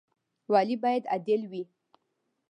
والي باید عادل وي